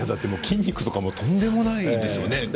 筋肉とかもとんでもないですよね。